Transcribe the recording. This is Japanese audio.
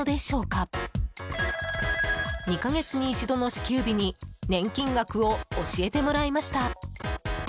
２か月に一度の支給日に年金額を教えてもらいました。